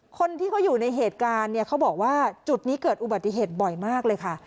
คนที่เขาอยู่ในเหตุการณ์เนี่ยเขาบอกว่าจุดนี้เกิดอุบัติเหตุบ่อยมากเลยค่ะ